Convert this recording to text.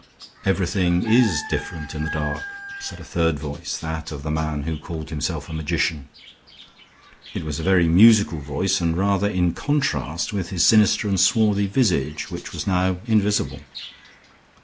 "Everything is different in the dark," said a third voice, that of the man who called himself a magician. It was a very musical voice, and rather in contrast with his sinister and swarthy visage, which was now invisible.